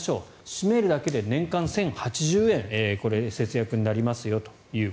閉めるだけで年間１０８０円節約になりますよと。